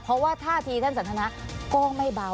เพราะว่าท่าทีท่านสันทนาก็ไม่เบา